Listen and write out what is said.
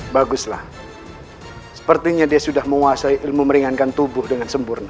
baguslah sepertinya dia sudah menguasai ilmu meringankan tubuh dengan sempurna